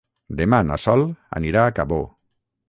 Demà na Sol anirà a Cabó.